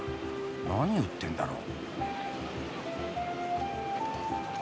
何売ってんだろう？